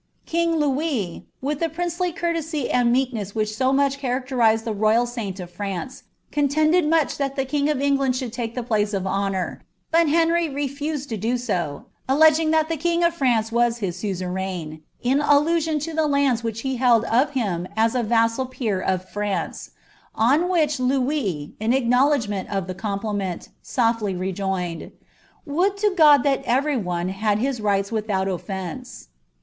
King Louis, with the princely courtesy and meekness which so much characterized the niyal saint of France, contended much that the king of England should take the place of honour; but Henry refused io do so, alleging that the king of France was his suzerain, in allusion to the lands which he held of him as a rassal peer of France ; on which Louis, in acknowledgment of the compliment, sofUy rejoined, ^ Would to God that every one had his rights without offence."